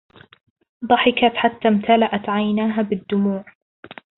ضَحِكَت حتى امتلأت عيناها بالدموع.